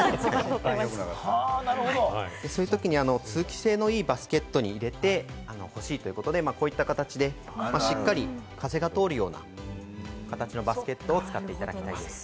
そういうときに通気性のいいバスケットに入れて、こういった形でしっかり風が通るような形のバスケットに入れて使っていただきたいです。